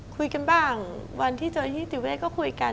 คุยกันบ้างวันที่เจ้าพี่ติ๊กไม่ได้ก็คุยกัน